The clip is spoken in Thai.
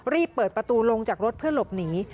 รีบเปิดประตูลงจากรถเพื่อหลบหนี